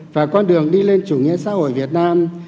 và con đường đi lên chủ nghĩa xã hội việt nam